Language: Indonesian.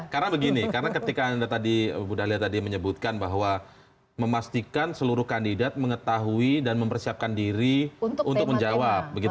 karena begini karena ketika anda tadi budalia tadi menyebutkan bahwa memastikan seluruh kandidat mengetahui dan mempersiapkan diri untuk menjawab